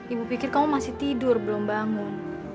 ibu pikir kamu masih tidur belum bangun